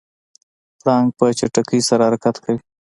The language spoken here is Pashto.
پړانګ په چټکۍ سره حرکت کوي.